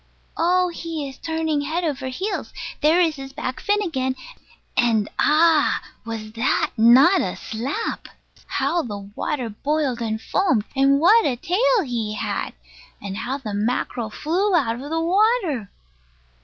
Oh, he is turning head over heels! There is his back fin again. And Ah! was that not a slap! How the water boiled and foamed; and what a tail he had! And how the mackerel flew out of the water!